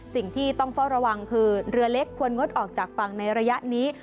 สิ่งที่ต้องเฝ้าระวังคือเรือเล็กควรงดออกจากฝั่งในระยะนี้